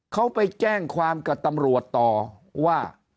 เขาไปแจ้งความกับตำรวจต่อว่า